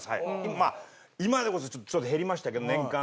まあ今でこそちょっと減りましたけど。